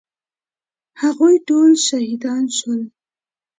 هغوی ټول شهیدان شول.